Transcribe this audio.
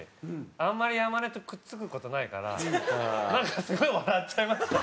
あんまり山根とくっつく事ないからなんかすごい笑っちゃいました。